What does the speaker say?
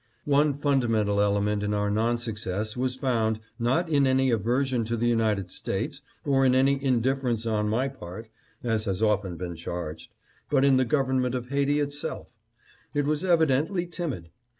One fundamental element in our non success was found, not in any aversion to the United States or in any indifference on my part, as has often been charged, but in the government of Haiti 744 REASONS FOR THE REFUSAL. itself. It was evidently timid.